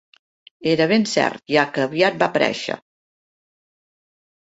Era ben cert, ja que aviat va aparèixer.